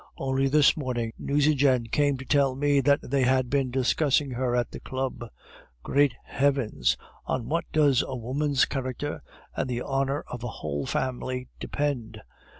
Only this morning Nucingen came to tell me that they had been discussing her at the club. Great heavens! on what does a woman's character and the honor of a whole family depend!